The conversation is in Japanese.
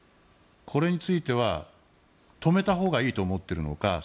１、２については止めたほうがいいと思っているのか